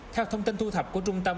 theo thông tin thu thập của trung tâm